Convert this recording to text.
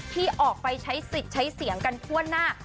ที่ออกไปใช้สิทธิ์ใช้เสียงกันทั่วหน้า